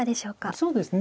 そうですね